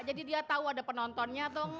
jadi dia tahu ada penontonnya atau enggak